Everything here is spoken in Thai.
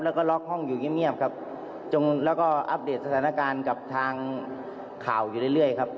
แล้วก็ล็อกห้องอยู่เงียบครับจงแล้วก็อัปเดตสถานการณ์กับทางข่าวอยู่เรื่อยครับ